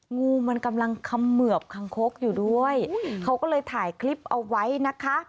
งูมันกำลังเขมือบคางคกอยู่ด้วยเขาก็เลยถ่ายคลิปเอาไว้นะคะ